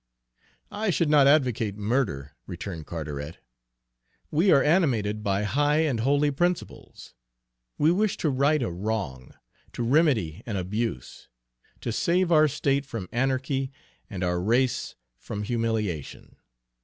"I should not advocate murder," returned Carteret. "We are animated by high and holy principles. We wish to right a wrong, to remedy an abuse, to save our state from anarchy and our race from humiliation.